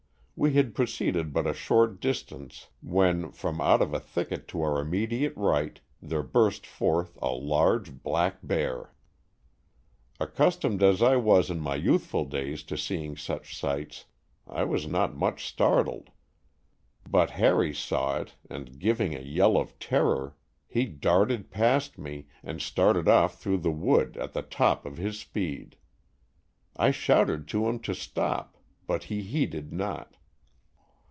We had proceeded but a short distance, when, from out of a thicket to our imme diate right, there burst forth a large black bear. Accustomed as I was in my youthful days to seeing such sights, I was not much startled ; but Harry saw it and giving a yell of terror, he darted 13 Stories from the Adirondack^. past me, and started off through the wood at the top of his speed. I shouted to him to stop, but he heeded not.